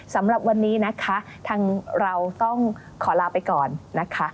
สำหรับวันนี้นะคะทางเราต้องขอลาไปก่อนนะคะ